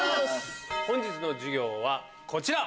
本日の授業はこちら！